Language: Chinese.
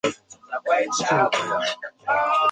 袁侃早卒。